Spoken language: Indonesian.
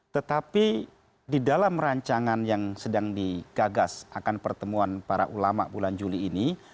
tetapi di dalam rancangan yang sedang digagas akan pertemuan para ulama bulan juli ini